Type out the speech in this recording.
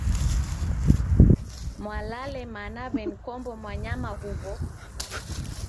Mwalale mana w'eni Kombo mwanyama huw'o?